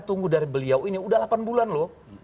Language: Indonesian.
tunggu dari beliau ini udah delapan bulan loh